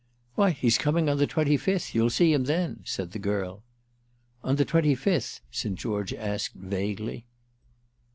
"Why he's coming on the twenty fifth—you'll see him then," said the girl. "On the twenty fifth?" St. George asked vaguely.